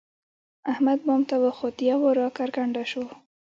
احمد بام ته خوت؛ یو وار را کرکنډه شو.